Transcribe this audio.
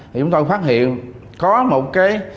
chúng tôi phát hiện có một cái